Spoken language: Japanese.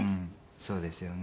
そうですよね。